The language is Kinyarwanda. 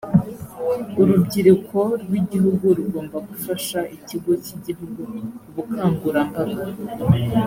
urubyiruko rw’igihugu rugomba gufasha ikigo cy’igihugu ubukangurambaga